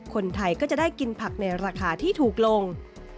คนไทยก็จะได้กินผักในราคาที่ถูกลง